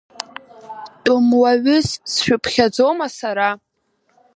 Тәымуаҩыс сшәыԥхьаӡома сара?